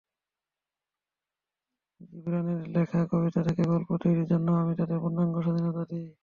জিবরানের লেখা কবিতা থেকে গল্প তৈরির জন্য আমি তাঁদের পূর্ণাঙ্গ স্বাধীনতা দিই।